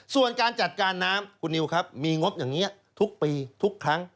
ส่วนการจัดการน้ำคุณนิวครับมีงบอย่างนี้ทุกปีทุกครั้ง